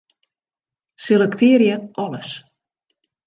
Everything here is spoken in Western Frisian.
Selektearje alles.